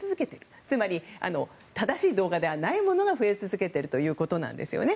つまり、正しい動画ではないものが増え続けているということですよね。